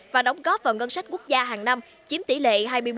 và đóng góp vào ngân sách quốc gia hàng năm chiếm tỷ lệ hai mươi một